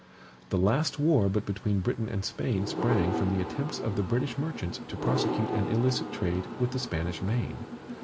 The last war but between Britain and Spain sprang from the attempts of the British merchants to prosecute an illicit trade with the Spanish main.